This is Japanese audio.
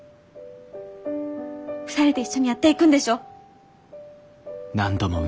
２人で一緒にやっていくんでしょ？